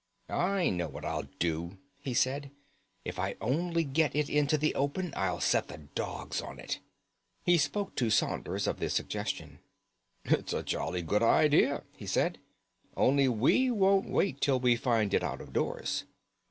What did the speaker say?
"I know what I'll do," he said. "If I only get it into the open I'll set the dogs on to it." He spoke to Saunders of the suggestion. "It's jolly good idea," he said; "only we won't wait till we find it out of doors.